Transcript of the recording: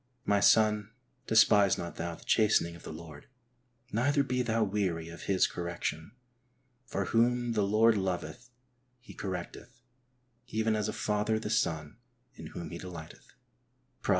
My son, despise not thou the chastening of the Lord, neither be thou weary of His correction, for whom the Lord loveth He correcteth ; even as a father the son in whom he delighteth" {Prov.